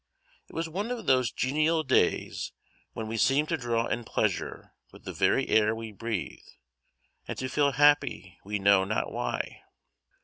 It was one of those genial days when we seem to draw in pleasure with the very air we breathe, and to feel happy we know not why.